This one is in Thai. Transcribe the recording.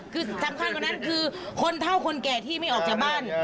คือสำคัญกว่านั้นคือคนเท่าคนแก่ที่ไม่ออกจากบ้าน